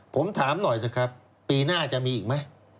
ผมถามหน่อยเถอะครับปีหน้าจะมีอีกไหม